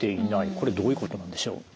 これどういうことなんでしょう？